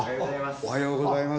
おはようございます。